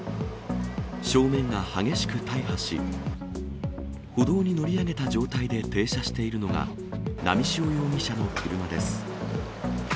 正面が激しく大破し、歩道に乗り上げた状態で停車しているのが、波汐容疑者の車です。